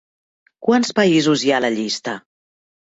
Quants països hi ha a la llista?